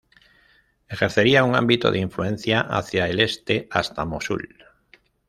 Ejercería un ámbito de influencia hacia el Este, hasta Mosul.